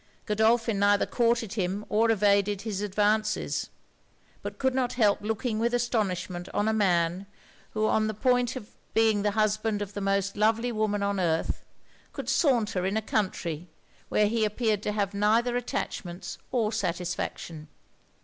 Godolphin neither courted him or evaded his advances; but could not help looking with astonishment on a man, who on the point of being the husband of the most lovely woman on earth, could saunter in a country where he appeared to have neither attachments or satisfaction.